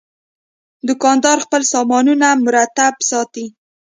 دوکاندار خپل سامانونه مرتب ساتي.